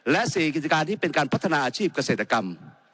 และ๔กิจการที่เป็นการพัฒนาอาชีพเกษตรกรรม